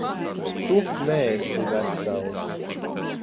Tu neesi vesels.